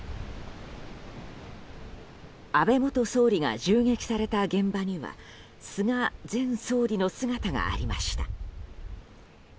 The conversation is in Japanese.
安倍元総理が銃撃された現場には菅前総理の姿がありました。